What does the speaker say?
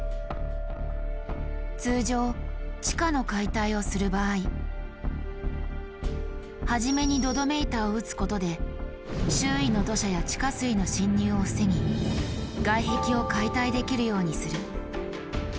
通常地下の解体をする場合初めに土留め板を打つことで周囲の土砂や地下水の侵入を防ぎ外壁を解体できるようにする。